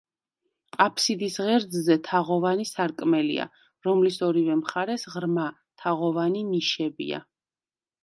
აფსიდის ღერძზე თაღოვანი სარკმელია, რომლის ორივე მხარეს ღრმა, თაღოვანი ნიშებია.